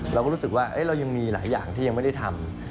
เราก็รู้สึกว่าเรายังมีหลายอย่างที่ยังไม่ได้ทำ